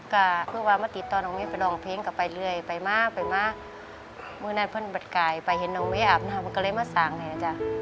ก็คือว่ามาติดต่อน้องเว้ไปร้องเพลงก็ไปเรื่อยไปมาไปมาเมื่อนั้นเพื่อนบัดกายไปเห็นน้องเมอาบหน้ามันก็เลยมาสั่งเลยนะจ๊ะ